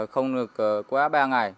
không được quá ba ngày